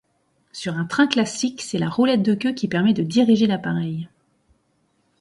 Sur un train classique, c'est la roulette de queue qui permet de diriger l'appareil.